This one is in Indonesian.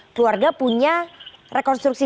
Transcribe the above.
keluarga punya rekonstruksi